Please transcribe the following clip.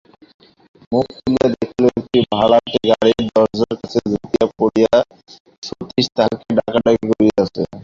মুখ তুলিয়া দেখিল একটি ভাড়াটে গাড়ির দরজার কাছে ঝুঁকিয়া পড়িয়া সতীশ তাহাকে ডাকাডাকি করিতেছে।